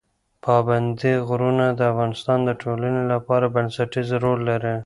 پابندي غرونه د افغانستان د ټولنې لپاره بنسټیز رول لري.